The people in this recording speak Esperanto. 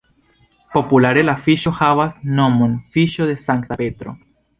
Populare la fiŝo havas la nomon "fiŝo de Sankta Petro".